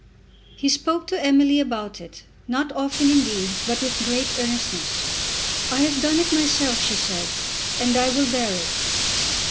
He spoke to Emily about it, not often indeed, but with great earnestness. "I have done it myself," she said, "and I will bear it."